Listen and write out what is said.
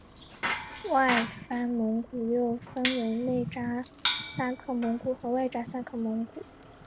外藩蒙古又分为内札萨克蒙古和外札萨克蒙古。